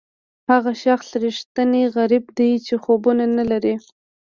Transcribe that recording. هغه شخص ریښتینی غریب دی چې خوبونه نه لري.